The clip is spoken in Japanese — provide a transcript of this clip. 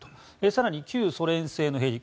更に旧ソ連製のヘリ。